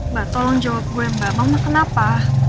mbak tolong jawab gue mbak mama kenapa